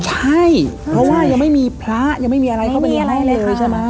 ใช่เพราะว่ายังไม่มีพระยังไม่มีอะไรเข้าไปดูให้เลยใช่ไหม